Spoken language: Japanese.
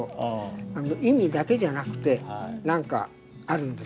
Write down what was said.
意味だけじゃなくて何かあるんですね